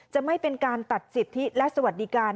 จะไม่เป็นการตัดสิทธิและสวัสดิการ